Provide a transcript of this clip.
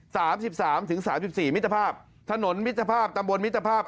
สามสิบสามถึงสามสิบสี่มิตรภาพถนนมิตรภาพตำบลมิตรภาพ